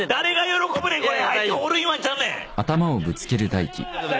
これ。